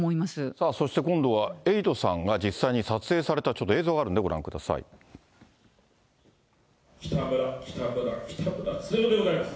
さあ、そして今度はエイトさんが実際に撮影されたちょっと映像があるん北村、北村、北村経夫でございます。